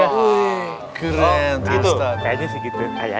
wah keren gitu ustadz